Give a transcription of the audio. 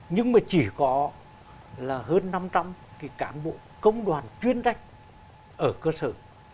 nhưng mà chỉ có là hơn năm trăm linh cái cán bộ công đoàn chuyên trách ở cơ sở